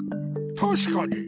たしかに。